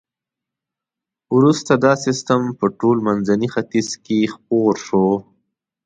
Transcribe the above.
وروسته دا سیستم په ټول منځني ختیځ کې خپور شو.